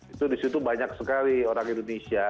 itu di situ banyak sekali orang indonesia